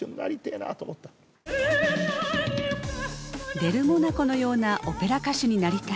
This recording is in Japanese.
デル・モナコのようなオペラ歌手になりたい。